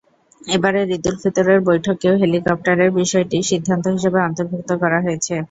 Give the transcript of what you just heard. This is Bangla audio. এবারের ঈদুল ফিতরের বৈঠকেও হেলিকপ্টারের বিষয়টি সিদ্ধান্ত হিসেবে অন্তর্ভুক্ত করা হয়েছে।